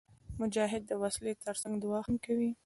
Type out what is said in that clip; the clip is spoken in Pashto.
مجاهد د وسلې تر څنګ دعا هم کوي.